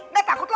nggak takut lo